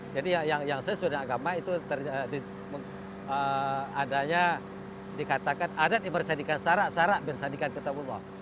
jadi yang sesuai dengan agama itu adanya dikatakan adat yang bersyadikan syarak syarak bersyadikan ketemu allah